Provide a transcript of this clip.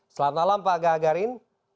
selamat malam pak gagarin